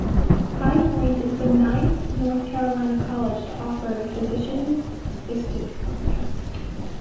High Point is the ninth North Carolina college to offer a physician assistant program.